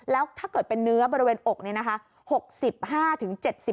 แล้วถ้าเกิดเป็นเนื้อบริเวณอกนี้นะคะ